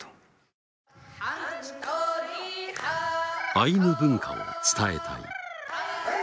アイヌ文化を伝えたい。